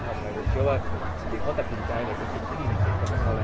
จริงผมห่วงตัวเองเนี่ยเหมือนว่าไม่ห่วงเขาเลย